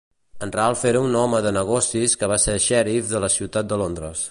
En Ralph era un home de negocis que va ser xèrif de la Ciutat de Londres.